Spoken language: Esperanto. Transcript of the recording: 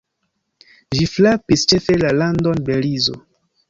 Ĝi frapis ĉefe la landon Belizo.